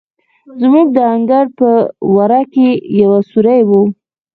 زموږ د انګړ په وره کې یو سورى و.